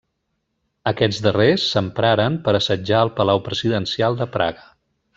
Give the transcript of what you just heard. Aquests darrers s'empraren per assetjar el palau presidencial de Praga.